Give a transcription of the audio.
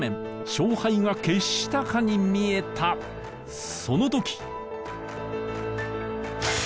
勝敗が決したかに見えたそのとき！